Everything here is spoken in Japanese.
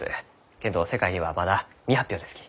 けんど世界にはまだ未発表ですき。